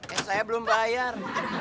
eh saya belum bayar